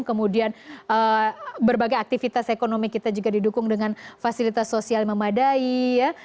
kemudian berbagai aktivitas ekonomi kita juga didukung dengan fasilitas sosial yang memadai ya